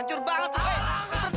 ancur banget eh